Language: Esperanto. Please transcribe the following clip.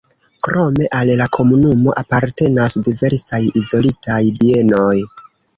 Krome al la komunumo apartenas diversaj izolitaj bienoj.